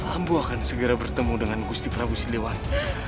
ambo akan segera bertemu dengan gusti prabu silewan